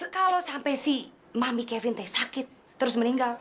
kalau sampai si mami kevin teh sakit terus meninggal